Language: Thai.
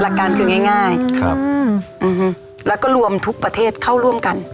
หลักการคือง่ายครับอืมแล้วก็รวมทุกประเทศเข้าร่วมกัน